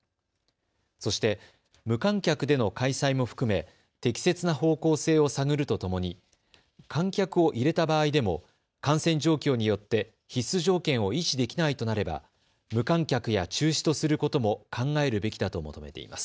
そして、無観客での開催も含め適切な方向性を探るとともに観客を入れた場合でも感染状況によって必須条件を維持できないとなれば無観客や中止とすることも考えるべきだと求めています。